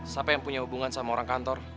siapa yang punya hubungan sama orang kantor